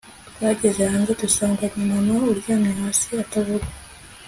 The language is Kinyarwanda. Twageze hanze dusanga ni mama uryamye hasi atavuga